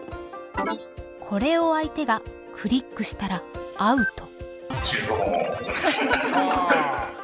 これを相手がクリックしたらアウト。